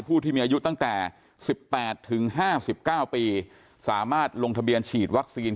ผู้ที่มีอายุตั้งแต่๑๘ถึง๕๙ปีสามารถลงทะเบียนฉีดวัคซีน